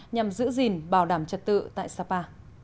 nhằm giữ gìn bảo đảm trật tự tại sapa